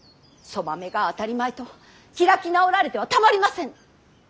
そばめが当たり前と開き直られてはたまりません！